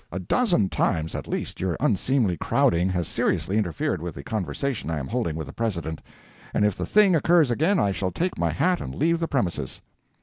A dozen times at least your unseemly crowding has seriously interfered with the conversation I am holding with the President, and if the thing occurs again I shall take my hat and leave the premises."